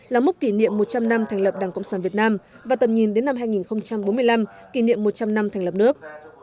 là múc kỷ niệm một trăm linh năm thành lập đảng cộng sản việt nam và tầm nhìn đến năm hai nghìn bốn mươi năm kỷ niệm một trăm linh năm thành lập nước